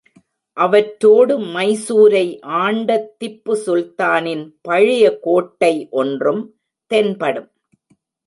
அவற்றோடு மைசூரை ஆண்ட திப்புசுல்தானின் பழைய கோட்டை ஒன்றும் தென்படும்.